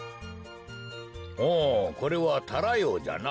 おこれはタラヨウじゃな。